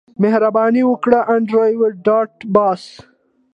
مهرباني وکړه انډریو ډاټ باس